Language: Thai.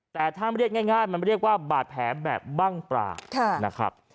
แต่ถ้าเรียกง่ายมันเรียกว่าบาดแผลแบบบ้างปลานะครับ